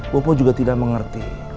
popo juga tidak mengerti